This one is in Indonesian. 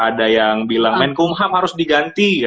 ada yang bilang men kumham harus diganti